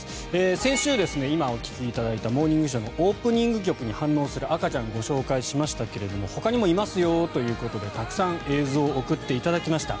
先週、今、お聴きいただいた「モーニングショー」のオープニング曲に反応する赤ちゃんをご紹介しましたけれどもほかにもいますよということでたくさん映像を送っていただきました。